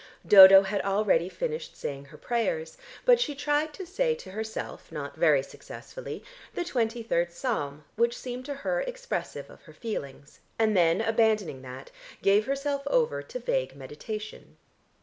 Dodo had already finished saying her prayers, but she tried to say to herself not very successfully, the twenty third Psalm which seemed to her expressive of her feelings, and then abandoning that, gave herself over to vague meditation.